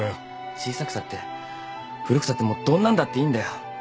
小さくたって古くたってもうどんなんだっていいんだよ。